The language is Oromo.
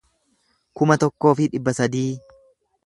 kuma tokkoo fi dhibba sadii